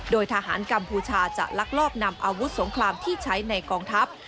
โดยทหารกัมพูชาจะลักลอบนำอาวุธสงครามที่ใช้ในกองทัพ